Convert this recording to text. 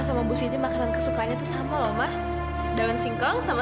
sampai jumpa di video selanjutnya